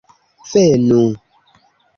Venu!